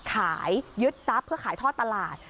ยึดทรัพย์เพื่อขายทอดตลาด